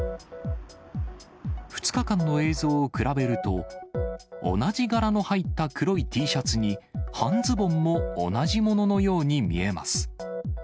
２日間の映像を比べると、同じ柄の入った黒いＴシャツに、半ズボンも同じもののように見えます。